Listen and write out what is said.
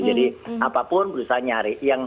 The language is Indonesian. jadi apapun berusaha nyari